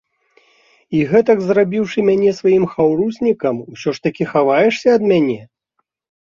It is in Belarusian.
І гэтак зрабіўшы мяне сваім хаўруснікам, усё ж такі хаваешся ад мяне!